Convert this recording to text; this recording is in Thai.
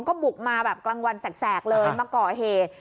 ก็บุกมาแบบกลางวันแสกเลยมาก่อเหตุ